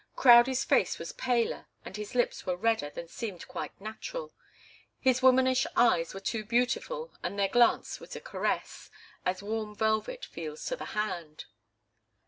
Crowdie's face was paler and his lips were redder than seemed quite natural; his womanish eyes were too beautiful and their glance was a caress as warm velvet feels to the hand.